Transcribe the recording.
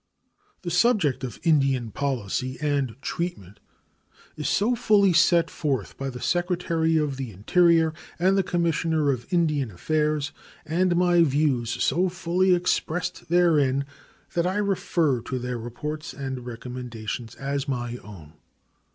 The subject of Indian policy and treatment is so fully set forth by the Secretary of the Interior and the Commissioner of Indian Affairs, and my views so fully expressed therein, that I refer to their reports and recommendations as my own.